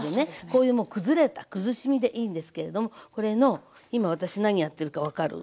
こういうもう崩れたくずし身でいいんですけれどもこれの今私何やってるか分かる？